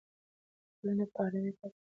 ټولنه به ارامه پاتې شوې وي.